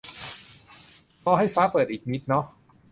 รอให้ฟ้าเปิดอีกนิดเนาะ